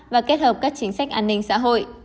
và kết hợp các chính sách an ninh xã hội